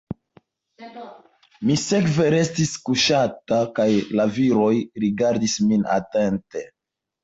Mi sekve restis kuŝanta kaj la viroj rigardis min atente.